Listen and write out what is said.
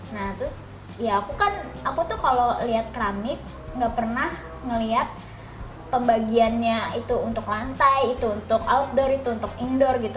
nah terus ya aku kan aku tuh kalau lihat keramik gak pernah ngeliat pembagiannya itu untuk lantai itu untuk outdoor itu untuk indoor gitu